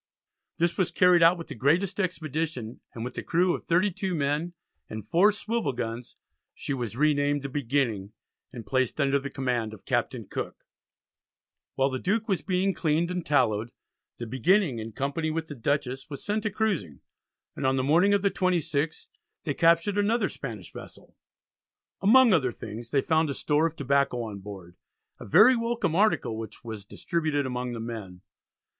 This was carried out with the greatest expedition, and with a crew of 32 men and four swivel guns, she was renamed the Beginning and placed under the command of Captain Cooke. While the Duke was being cleaned and tallowed, the Beginning in company with the Dutchess was sent a cruising, and on the morning of the 26th they captured another Spanish vessel. Among other things they found a store of tobacco on board, a very welcome article which was distributed among the men.